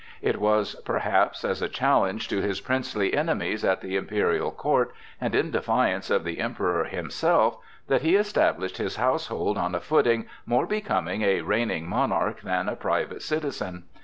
It was perhaps as a challenge to his princely enemies at the imperial court and in defiance of the Emperor himself that he established his household on a footing more becoming a reigning monarch than a private citizen.